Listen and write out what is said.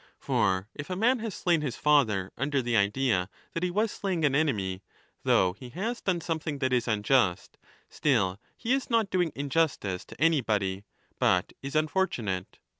For if a man has slain his father under the idea that he was slaying an enemy, though he has done something that is unjust, still he is not doing injustice to anybody, but is unfortunate.